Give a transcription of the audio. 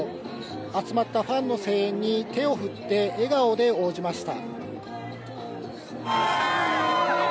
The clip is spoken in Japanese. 集まったファンの声援に手を振って笑顔で応じました。